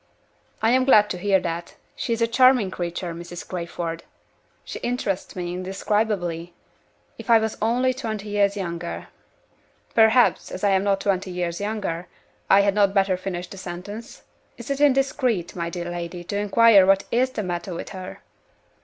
"I am glad to hear that. She is a charming creature, Mrs. Crayford. She interests me indescribably. If I was only twenty years younger perhaps (as I am not twenty years younger) I had better not finish the sentence? Is it indiscreet, my dear lady, to inquire what is the matter with her?"